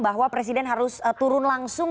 bahwa presiden harus turun langsung